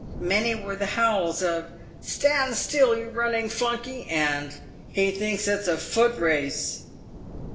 Many were the howls of " Stand still, you running flunkey," and " He thinks it's a foot race."